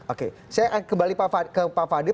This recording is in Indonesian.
oke saya kembali ke pak fadil